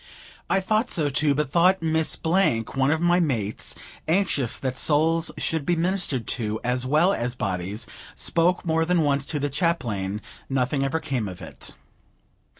I thought so too; but though Miss Blank, one of my mates, anxious that souls should be ministered to, as well as bodies, spoke more than once to the Chaplain, nothing ever came of it.